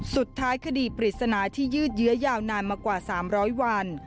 คดีปริศนาที่ยืดเยื้อยาวนานมากว่า๓๐๐วัน